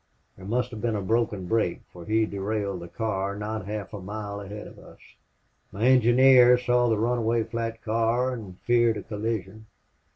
There must have been a broken brake, for he derailed the car not half a mile ahead of us. My engineer saw the runaway flat car and feared a collision....